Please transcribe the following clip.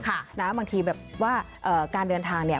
ค่ะนะคะบางทีแบบว่าการเดินทางเนี่ย